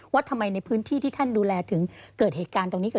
ว่าทำไมในพื้นที่ที่ท่านดูแลถึงเกิดเหตุการณ์ตรงนี้เกิด